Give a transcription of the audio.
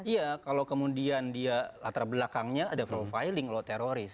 iya kalau kemudian dia latar belakangnya ada profiling loh teroris